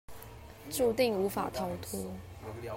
註定無法跳脫